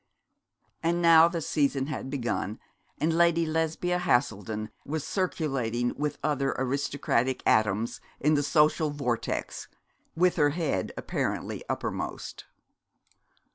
And now the season had begun, and Lady Lesbia Haselden was circulating with other aristocratic atoms in the social vortex, with her head apparently uppermost.